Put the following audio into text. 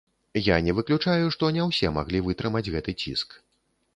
Я не выключаю, што не ўсе маглі вытрымаць гэты ціск.